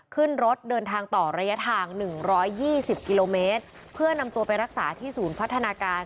ขึ้นรถเดินทางต่อระยะทางหนึ่งร้อยยี่สิบกิโลเมตรเพื่อนำตัวไปรักษาที่ศูนย์พัฒนาการ